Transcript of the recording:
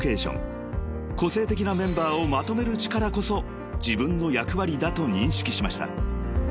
［個性的なメンバーをまとめる力こそ自分の役割だと認識しました］